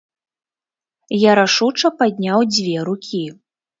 Я рашуча падняў дзве рукі.